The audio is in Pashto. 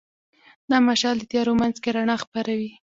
دا مشال د تیارو منځ کې رڼا خپروي.